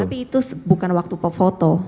tapi itu bukan waktu pefoto